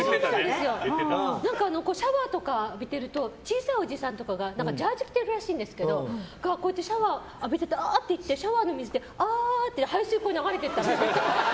シャワーとか浴びてると小さいおじさんとかがジャージー着てるらしいんですけどシャワー浴びててシャワーの水でアーって排水溝に流れてったらしい。